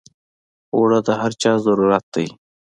اوړه د هر چا ضرورت دی